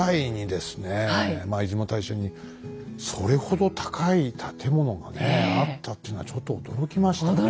出雲大社にそれほど高い建物がねあったっていうのはちょっと驚きましたね。